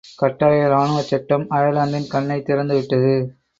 கட்டாய ராணுவச்சட்டம், அயர்லாந்தின் கண்ணைத் திறந்துவிட்டது.